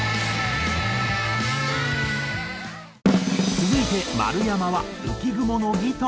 続いて丸山は。